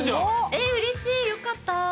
えうれしいよかった！